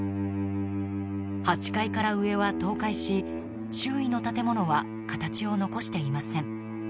８階から上は倒壊し周囲の建物は形を残していません。